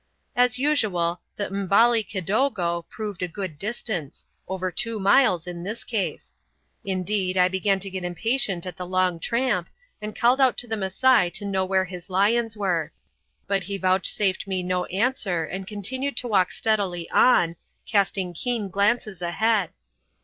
As usual, the m'bali kidogo proved a good distance over two miles in this case. Indeed, I began to get impatient at the long tramp, and called out to the Masai to know where his lions were; but he vouchsafed me no answer and continued to walk steadily on, casting keen glances ahead.